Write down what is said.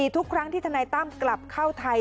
ทุกครั้งที่ทนายตั้มกลับเข้าไทย